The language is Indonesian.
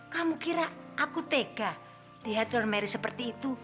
kamu kira aku tega behatlon mary seperti itu